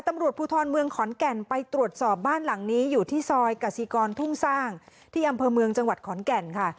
ตำรวจภูทรเมืองขอนแก่นไปตรวจสอบบ้านหลังนี้อยู่ที่ซอยกสิกรทุ่งสร้างที่อำเภอเมืองจังหวัดขอนแก่นค่ะ